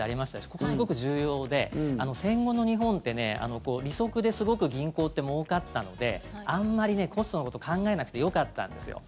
ここ、すごく重要で戦後の日本って利息ですごく銀行ってもうかったのであんまりコストのこと考えなくてよかったんですよ。